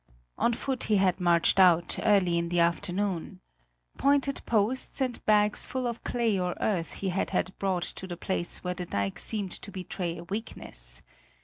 On foot he had marched out, early in the afternoon. Pointed posts and bags full of clay or earth he had had brought to the place where the dike seemed to betray a weakness.